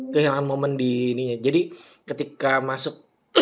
kehilangan momen di ini jadi ketika masuk